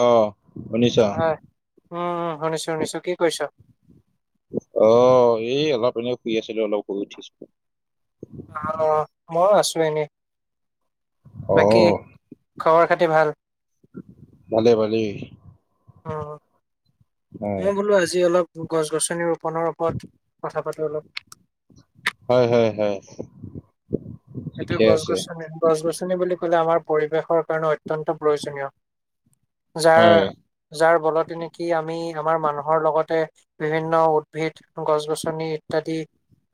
অ। শুনিছা হয়, উম-উম শুনিছো, শুনিছো। কি কৰিছ? অ, এই অলপ এনে শুই আছিলো, অলপ শুই উঠিছো। আহ মইও আছো এনেই। অ বাকী খবৰ-খাতি ভাল? ভালেই, ভালেই। অ হয় মই বোলো আজি অলপ গছ-গছনি ৰোপনৰ ওপৰত কথা পাতো। [unintelligible] অলপ হয়, হয়, হয়। এইটো ঠিকে আছে গছ-গছনি, গছ-গছনি বুলি ক'লে আমাৰ পৰিৱেশৰ কাৰণে অ অত্যন্ত প্ৰয়োজনীয়। যাৰ হয় যাৰ বলতে নেকি আমি আমাৰ মানুহৰ লগতে বিভিন্ন উদ্ভিদ, গছ-গছনি ইত্যাদি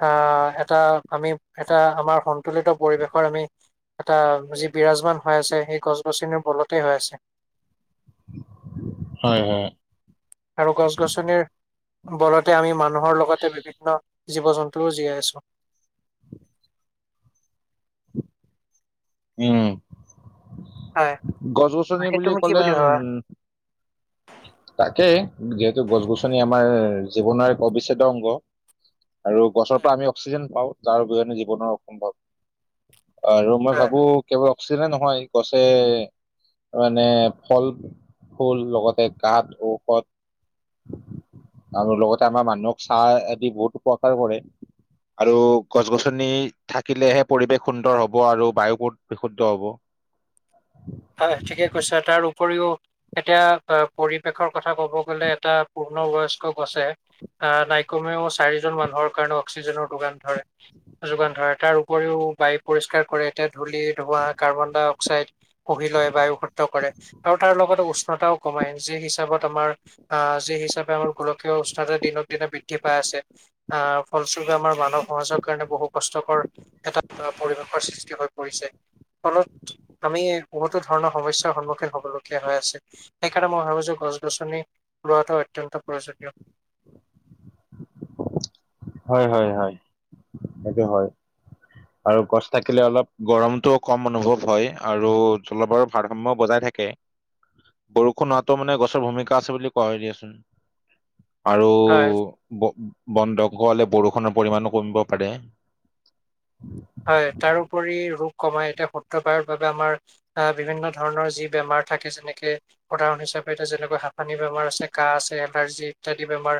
অ এটা আমি এটা আমাৰ সন্তুলিত পৰিৱেশৰ আমি এটা যি বিৰাজমান হৈ আছে সেই গছ-গছনিৰ বলতেই হৈ আছে। হয়, হয়। আৰু গছ-গছনিৰ বলতে আমি মানুহৰ লগতে বিভিন্ন জীৱ-জন্তুও জীয়াই আছো। [inaudible] উম, হয় গছ-গছনি তাকে বুলি তুমি কি কলে আৰু ভাবা? তাকেই যিহেতু গছ-গছনি আমাৰ জীৱনৰ এক অবিচ্ছেদ্য অংগ আৰু গছৰ পৰা আমি অক্সিজেন পাওঁ তাৰ অবিহনে জীৱনৰ অসম্ভৱ, আৰু মই হয় ভাবো কেৱল অক্সিজন নহয় গছে মানে ফল-ফুল লগতে গাত ঔষধ আৰু লগতে আমাৰ মানুহক চাহ দি বহুত উপকাৰ কৰে আৰু গছ- গছনি থাকিলেহে পৰিৱেশ সুন্দৰ হব আৰু বায়ু বহুত বিশুদ্ধ হ'ব। হয় ঠিকে কৈছা তাৰ উপৰিও এতিয়া পৰিৱেশৰ কথা কব গলে এটা অন বয়স্ক গছে আহ নাইকমেও চাৰিজন মানুহৰ কাৰণে অক্সিজেনৰ যোগান ধৰে -যোগান ধৰে তাৰ উপৰিও বায়ু পৰিষ্কাৰ কৰে এতিয়া ধূলি, ধোঁৱা, কাৰ্বন- ডাই- অক্সাইড শোহি লয় বায়ু সত কৰে আৰু তাৰ লগতে উষ্ণতাও কমাই যি হিচাপত আমাৰ আহ যি হিচাপে আমাৰ গোলকীয় উষ্ণতা দিনক দিনে বৃদ্ধি পাই আছে, আহ ফলস্বৰূপে আমাৰ মানৱ সমাজৰ কাৰণে বহু কষ্টকৰ এটা পৰিৱেশৰ সৃষ্টি হৈ পৰিছে ফলত আমি বহুতো ধৰণৰ সমস্যাৰ সন্মুখীন হবলগীয়া হৈ আছে সেইকাৰণে মই ভাবো যে গছ -গছনি ৰুৱাটো অত্যন্ত প্ৰয়োজনীয়। [unintelligible] হয়, হয়, হয় সেইটো হয়। আৰু গছ থাকিলে অলপ গৰমতটোও কম অনুভৱ হয় আৰু জলবায়ুৰ ভাৰসাম্য বজাই থাকে, বৰষুণ হোৱাটো মানে গছৰ ভূমিকা আছে বুলি কোৱা দিয়াচোন আৰু হয় ব বন্ধকসকলে বৰষুণৰ পৰিমানো কমিব পাৰে। হয়, তাৰোপৰি ৰূপ কমাই এতিয়া সত্ৰ বায়ুৰ বাবে আমাৰ আহ বিভিন্ন ধৰণৰ যি বেমাৰ থাকে যেনেকে উদাহৰণ হিচাপে এতি যেনেকৈ হাঁফানি বেমাৰ আছে, কাহ আছে, এলাৰ্জি ইত্যাদি বেমাৰ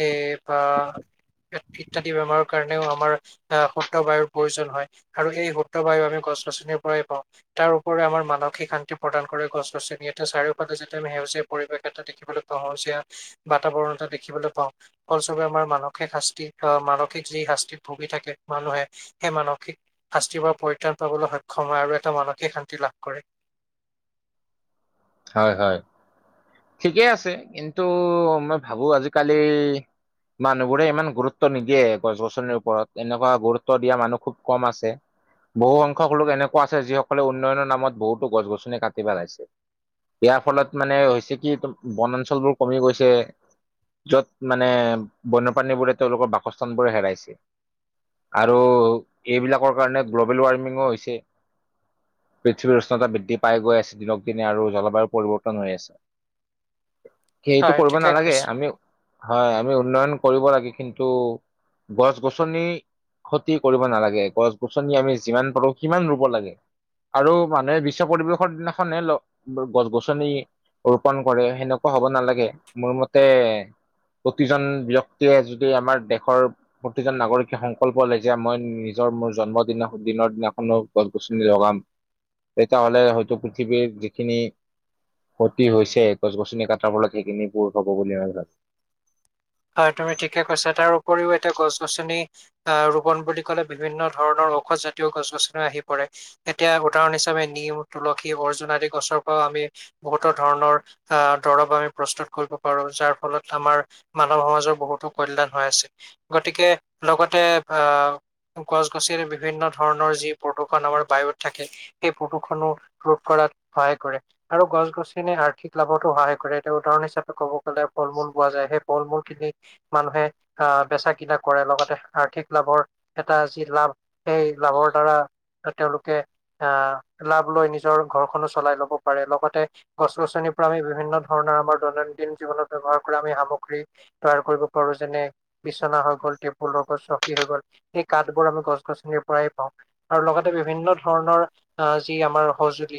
এই বা ইত্যাদি বেমাৰৰ কাৰণেও আমাৰ আহ শুদ্ধ বায়ুৰ প্ৰয়োজন হয় আৰু এই শুদ্ধ বায়ু আমি গছ- গছনিৰ পৰাই পাওঁ তাৰ ওপৰি আমাৰ মানসিক শান্তি প্ৰদান গছ- গছনি এতিয়া চাৰিওফালে যেতিয়া সেউজীয়া পৰিৱেশ এটা দেখিবলৈ পাওঁ, সেউজীয়া বাতাবৰণ এটা দেখিব দেখিবলৈ পাওঁ, ফলস্বৰূপে আমাৰ মানসিক শাস্তি আহ মানসিক যি শাস্তিত ভুগি থাকে মানুহে সেই মানসিক শাস্তিৰ পৰা পৰিত্ৰাণ পাবলৈ সক্ষম হয়, আৰু এটা মানসিক শান্তি লাভ কৰে হয়, হয়। ঠিকেই আছে কিন্তু মই ভাবো আজিকালি মানুহবোৰে ইমান গুৰুত্ব নিদিয়ে গছ-গছনিৰ ওপৰত এনেকুৱা গুৰুত্ব দিয়া মানুহ খুব কম আছে বহুসংখ্যক লোক এনেকুৱা আছে যিসকলে উন্নয়নৰ নামত বহুতো গছ-গছনি কাটি পেলাইছে ইয়াৰ ফলত মানে হৈছে কি বনাঞ্চলবোৰ কমি গৈছে য'ত মানে বন্যপ্ৰাণীবোৰে তেওঁলোকৰ বাসস্থানবোৰ হেৰাইছে আৰু এইবিলাকৰ কাৰণে গ্ল'বেল ৱাৰ্মিঙো হৈছে পৃথিৱীৰ উষ্ণতা বৃদ্ধি পাই গৈ আছে দিনক দিনে আৰু জলবায়ু পৰিৱৰ্তন হৈ আছে। সেইটো হয় কৰিব ঠিকে নালাগে, কৈছে। আমি হয়, আমি উন্নয়ন কৰিব লাগে কিন্তু গছ- গছনি ক্ষতি কৰিব নালাগে গছ -গছনি আমি যিমান পাৰো সিমান ৰুব লাগে। আৰু মানুহে বিশ্ব পৰিৱেশৰ দিনাখনে ল গছ -গছনি ৰোপন কৰে সেনেকুৱা হব নালাগে মোৰ মতে প্ৰতিজন ব্যক্তিয়ে যদি আমাৰ দেশৰ প্ৰতিজন নাগৰিকে সংকল্প লয় যে মই নিজৰ মোৰ জন্মদিনা দিনৰ দিনাখনো গছ -গছনি লগাম। তেতিয়াহলে হয়তো পৃথিৱীৰ যিখিনি ক্ষতি হৈছে গছ- গছনি কটাৰ ফলত সেইখিনি পূৰ হব বুলি [unintelligible] হয় তুমি ঠিকে কৈছা। তাৰ উপৰিও এতিয়া গছ- গছনি আহ ৰোপন বুলি কলে বিভিন্ন ধৰণৰ ঔষধজাতীয় গছ -গছনি আহি পৰে এতিয়া উদাহৰণ হিচাপে নিম, তুলসী, অৰ্জুন আদি গছৰ পৰা আমি বহুতো ধৰণৰ আহ দৰব আমি প্ৰস্তুত কৰিব পাৰো যাৰ ফলত আমাৰ মানৱ সমাজৰ বহুতো কল্যাণ হৈ আছে গতিকে লগতে আহ গছ -গছনি বিভিন্ন ধৰণৰ যি প্ৰদূষণ আমাৰ বায়ুত থাকে সেই প্ৰদূষণো ৰোধ কৰা সহায় কৰে আৰু গছ -গছনি আৰ্থিক লাভতো সহায় কৰে, এতিয়া উদাহৰণ হিচাপে ক'ব [unintelligible] ফল-মূল পোৱা যায় সেই ফল -মূল খিনি মানুহে আহ বেচা- কিনা কৰে লগতে আৰ্থিক লাভৰ এটা যি লাভ সেই লাভৰ দ্বাৰা তেওঁলোকে আহ, লাভ লৈ নিজৰ ঘৰখনো চলাই লব পাৰে লগতে গছ -গছনি আমি বিভিন্ন ধৰণৰ আমাৰ দৈনন্দিন জীৱনত ব্যৱহাৰ কৰা আমি সামগ্ৰী তৈয়াৰ কৰিব পাৰো যেনে বিচনা হৈ গ'ল, টেবুল হৈ গ'ল, চকী হৈ গ'ল সেই কাঠ বোৰ আমি গছ -গছনিৰ পৰাই পাওঁ। আৰু লগতে বিভিন্ন ধৰণৰ যি আমাৰ সজুলি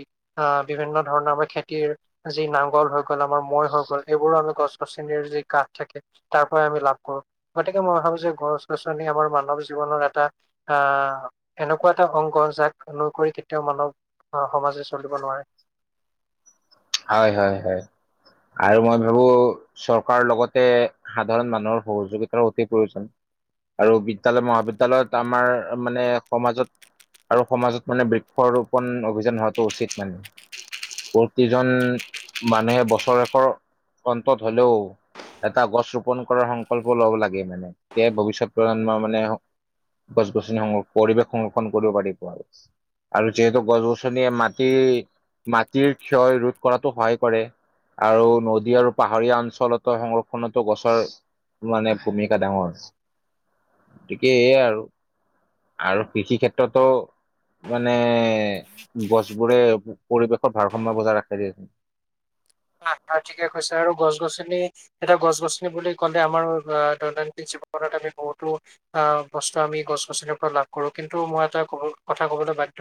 বিভিন্ন ধৰণৰ আমাৰ খেতিৰ যি নাঙল হৈ গ'ল, আমাৰ মৈ হৈ গ'ল এইবোৰো আমি গছ -গছনিৰ যি কাঠ থাকে তাৰ পৰাই আমি লাভ কৰো। গতিকে মই ভাবো যে গছ-গছনি আমাৰ মানৱ জীৱনৰ এটা আহ, এনেকুৱা এটা অংগ জাক নুই কৰি কেতিয়াও মানৱ অ, সমাজে চলিব নোৱাৰে। হয়, হয়, হয়। আৰু মই ভাবো চৰকাৰৰ লগতে সাধাৰণ মানুহৰ সহযোগিতাৰো অতি প্ৰয়োজন। আৰু বিদ্যালয়-মহাবিদ্যালয়ত আমাৰ মানে সমাজত আৰু সমাজত মানে বৃক্ষ ৰোপন অভিযান হোৱাটো উচিত মানে। যিজন মানুহে বছৰেকৰ অন্তত হ'লেও এটা গছ ৰোপন কৰাৰ সংকল্প লব লাগে মানে, তেতিয়াহে ভৱিষ্যত প্ৰজন্মৰ মানে গছ- গছনি সং পৰিৱেশ সংৰক্ষণ কৰিব পাৰিব আৰু। আৰু যিহেতু গছ -গছনিয়ে মাটি, মাটিৰ ক্ষয় ৰোধ কৰাতো সহায় কৰে। আৰু নদী আৰু পাহাৰীয়া অঞ্চলতো সংৰক্ষণতো গছৰ মানে ভূমিকা ডাঙৰ, গতিকে এইয়াই আৰু আৰু কৃষি ক্ষেত্ৰতো মানে গছবোৰে পৰিৱেশৰ ভাৰ সময় বজাই ৰাখে দেই আহ, হয় ঠিকে কৈছা আৰু গছ -গছনি এটা গছ- গছনি বুলি ক'লে আমাৰ দৈনন্দিন আমি বহুতো বস্তু আমি গছ -গছনিৰ পৰা লাভ কৰো। কিন্তু মই এটা কবলৈ কথা ক'বলৈ বাধ্য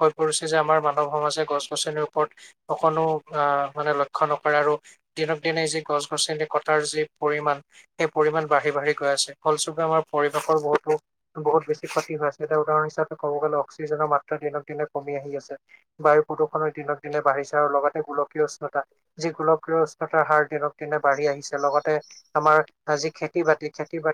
হৈ পৰিছে যে আমাৰ মানৱ সমাজে গছ- গছনিৰ ওপৰত অকণো আহ মানে লক্ষ লক্ষ্য নকৰে আৰু দিনক দিনে যি গছ -গছনি কটাৰ যি পৰিমাণ সেই পৰিমাণ বাঢ়ি বাঢ়ি গৈ ফলস্বৰূপে আমাৰ পৰিৱেশৰ বহুতো বহুত বেছি ক্ষতি হৈছে এতি উদাহৰণ হিচাপে ক'ব গলে অক্সিজেন মাত্ৰা দিনক দিনে কমি আহি আছে, বায়ু প্ৰদূষণৰ দিনক দিনে বাঢ়িছে আৰু লগতে গোলকীয় উষ্ণতা যি গোলকীয় উষ্ণতা হাৰ দিনক দিনে বাঢ়ি আহিছে। লগতে আমাৰ যি খেতি- বাতি খেতি বা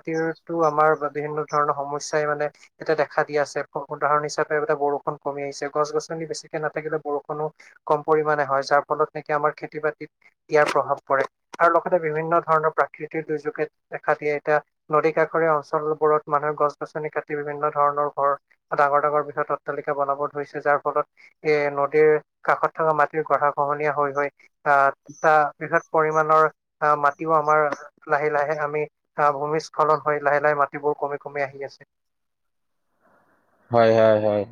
আমাৰ বিভিন্ন ধৰণৰ সমস্যাই মানে এটিয়া দেখা দি আছে উদাহৰণ হিচাপে এইবিলাক বহুত বৰষুণ কমি আহিছে গছ -গছনি বেছিকে নাথাকিলে বৰষুনো কম পৰিমানে হয় যাৰ ফলত নেকি আমাৰ খেতি খেতি - বাতিত ইয়াৰ প্ৰভাৱ পৰে। আৰু লগতে বিভিন্ন ধৰণৰ প্ৰাকৃতিক দুৰ্যোগে দেখা দিয়ে, এতিয়া নদী কাষৰীয়া অঞ্চলবোৰত মানুহে গছ- গছনি কাটি বিভিন্ন ধৰণৰ ঘৰ ডাঙৰ -ডাঙৰ বৃহৎ অত তালিকা বনাব ধৰিছে যাৰ ফলত এ নদীৰ কাষত থকা মাটিৰ গঢ়া খহনীয়া হৈ হৈ ত তা বিত [unintelligible] পৰিমাণৰ আহ মাটিও আমাৰ লাহে -লাহে আমি আহ ভূমিস্খলন হৈ লাহে -লাহে মাটিবোৰ কমি- কমি আহি আছে। হয়, হয়, হয়,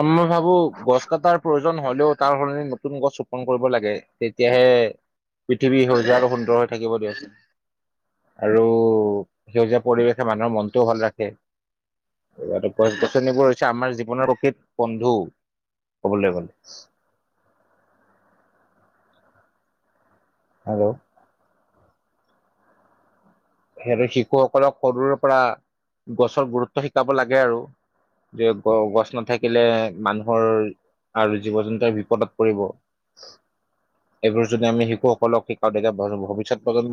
আৰু মই ভাবো গছ কটাৰ প্ৰয়োজন হলেও তাৰ সলনি নতুন গছ ৰোপন কৰিব লাগে তেতিয়াহে পৃথিৱী সেউজীয়া আৰু সুন্দৰ হৈ থাকিব দিয়াচোন। আৰু সেউজীয়া পৰিৱেশে মানুহৰ মনটোও ভাল ৰাখে এই গছ -গছনিবোৰ হৈছে আমাৰ জীৱনৰ প্ৰকৃত বন্ধু ক'বলৈ গলে [inaudible] হেল্ল' সেৰ শিশুসকলক সৰুৰে পৰা গছৰ গুৰুত্ব শিকাব লাগে আৰু যে গ গছ নাথাকিলে মানুহৰ আৰু জীৱ জন্তু বিপদত পৰিব। এইবোৰ যদি আমি শিশুসকলক শিকাও তেতিয়া ভৱিষ্যত প্ৰজন্ম